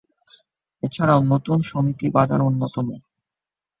এছাড়াও নতুন সমিতি বাজার অন্যতম।